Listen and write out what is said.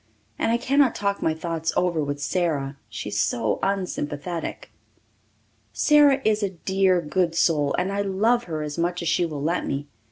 And I cannot talk my thoughts over with Sara she is so unsympathetic. Sara is a dear good soul and I love her as much as she will let me.